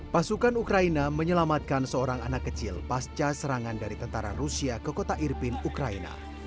pasukan ukraina menyelamatkan seorang anak kecil pasca serangan dari tentara rusia ke kota irpin ukraina